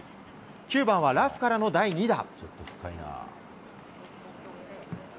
９番はラフからの第２打。